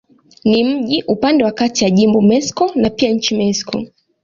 Ni mji upande wa kati ya jimbo Mexico na pia nchi Mexiko.